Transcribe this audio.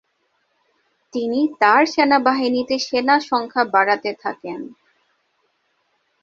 তিনি তার সেনাবাহিনীতে সেনা সংখ্যা বাড়াতে থাকেন।